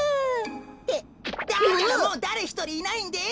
ってだからもうだれひとりいないんです！